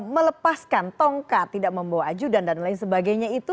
melepaskan tongkat tidak membawa ajudan dan lain sebagainya itu